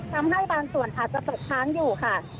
ทำให้บางส่วนอาจจะเถ็ดค้างอยู่